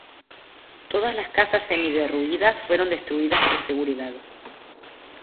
Todas las casas semi derruidas fueron destruidas por seguridad.